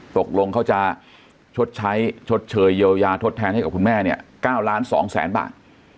ตกลงเขาจะชดใช้ชดเชยเยียวยาทดแทนให้กับคุณแม่เนี่ย๙ล้าน๒แสนบาท